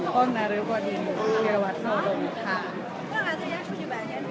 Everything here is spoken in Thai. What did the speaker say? คือหนูต้นนารุกวะดีนิยวัฒนธรรมค่ะ